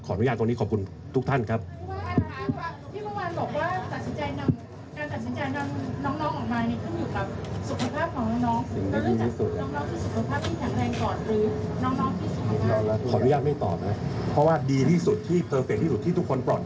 พี่บางวันบอกว่าการตัดสินใจน้องออกมานี่คืออยู่กับสุขภาพของน้อง